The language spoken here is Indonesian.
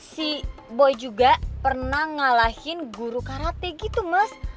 si boi juga pernah ngalahin guru karate gitu mas